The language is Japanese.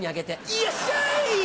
いよっしゃい！